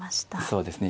そうですね。